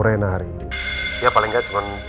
rena hari ini ya paling gak cuman